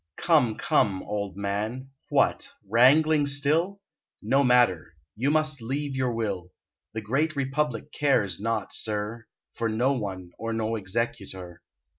Come, come, old man; what! wrangling still? No matter, you must leave your will; The great republic cares not, sir, For one or no executor."